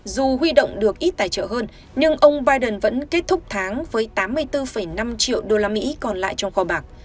dù huy động được ít tài trợ hơn nhưng ông biden vẫn kết thúc tháng với tám mươi bốn năm triệu đô la mỹ còn lại trong kho bạc